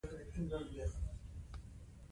د ملالۍ خوب به رښتیا کېږي.